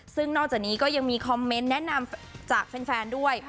ซึ่งนอกจากนี้ก็ยังมีคอมเมนต์แนะนำจากแฟนด้วย